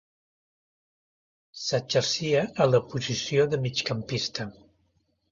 S'exercia en la posició de migcampista.